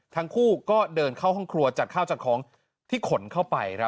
ทั้งคู่ก็เดินเข้าห้องครัวจัดข้าวจัดของที่ขนเข้าไป